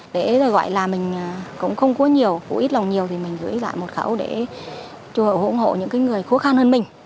để rồi gọi là mình cũng không có nhiều có ít lòng nhiều thì mình gửi lại một khẩu để cho hỗn hộ những cái người khó khăn hơn mình